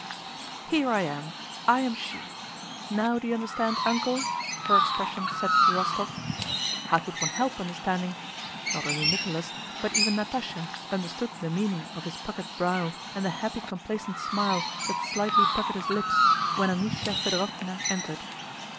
"Here I am. I am she! Now do you understand 'Uncle'?" her expression said to Rostóv. How could one help understanding? Not only Nicholas, but even Natásha understood the meaning of his puckered brow and the happy complacent smile that slightly puckered his lips when Anísya Fëdorovna entered.